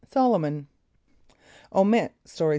Solomon. (Omit Story 16.